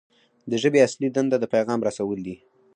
د ژبې اصلي دنده د پیغام رسول دي.